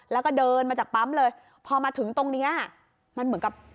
แล้วก็เดินมาจากปั๊มเลยพอมาถึงตรงเนี้ยมันเหมือนกับ